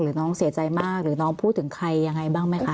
น้องเสียใจมากหรือน้องพูดถึงใครยังไงบ้างไหมคะ